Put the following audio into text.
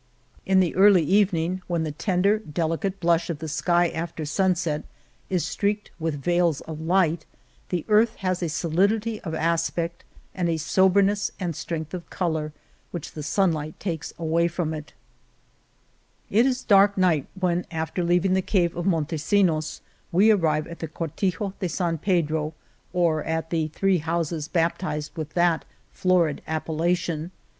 In the early evening, when the 82 The Cave of Montesinos tender, delicate blush of the sky after sunset is streaked with veils of light, the earth has a solidity of aspect and a soberness and strength of color which the sunlight takes away from it. 84 IV Monteil vii^.^ . The Hermitage of Saelices. Monteil IT is dark night when after leaving the cave of Montesinos we arrive at the Cortijo de St. Pedro, or at the three houses baptized with that florid appellation.